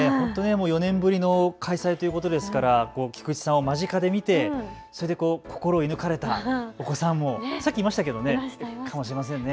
４年ぶりの開催ということですから菊池さんを間近で見て心を射ぬかれたお子さんもいるかもしれませんね。